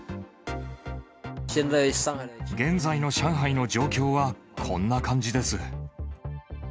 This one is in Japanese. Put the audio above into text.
現在の上海の状況はこんな感じです。